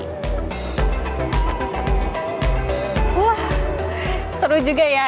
wah seru juga ya